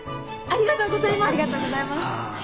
ありがとうございます。